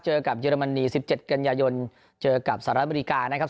เจอกับเยอรมนี๑๗กันยายนเจอกับสหรัฐอเมริกานะครับ